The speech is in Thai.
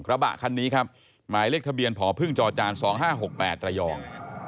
ระบะคันนี้ครับหมายเลขทะเบียนผอพึ่งจอจาน๒๕๖๘ระยอง